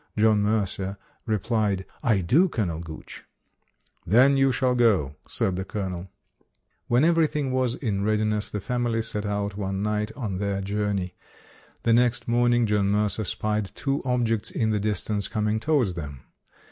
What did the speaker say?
John Mercer replied, "I do, Colonel Gooch". "Then you shall go", said the colonel. JOHN MERCER LANGSTON [ 273 When everything was in readiness, the family set out one night on their journey. The next morning, John Mercer spied two objects in the distance coming towards them.